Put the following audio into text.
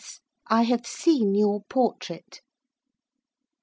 _ I have seen your portrait.'